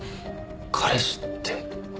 彼氏って。